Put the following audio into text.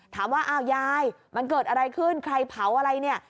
ถามว่าอ้าวยายมันเกิดอะไรขึ้นใครเผาอะไรเนี่ย